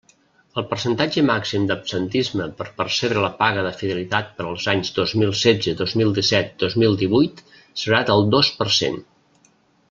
El percentatge màxim d'absentisme per percebre la paga de fidelitat per als anys dos mil setze, dos mil disset, dos mil divuit serà del dos per cent.